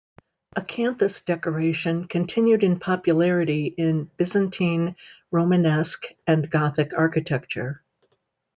Acanthus decoration continued in popularity in Byzantine, Romanesque, and Gothic architecture.